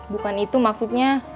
bukan itu maksudnya